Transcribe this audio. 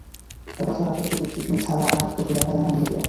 তাছাড়া, আশেপাশে টিকটিকি ছাড়া আর কিছু দেখা যায় না, এমনিতেও।